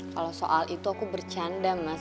kalau soal itu aku bercanda mas